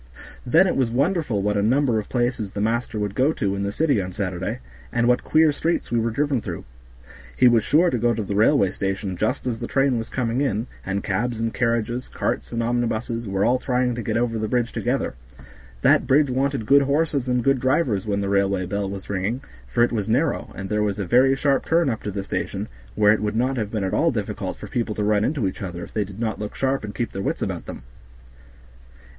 Then it was wonderful what a number of places the master would go to in the city on Saturday, and what queer streets we were driven through. He was sure to go to the railway station just as the train was coming in, and cabs and carriages, carts and omnibuses were all trying to get over the bridge together; that bridge wanted good horses and good drivers when the railway bell was ringing, for it was narrow, and there was a very sharp turn up to the station, where it would not have been at all difficult for people to run into each other, if they did not look sharp and keep their wits about them.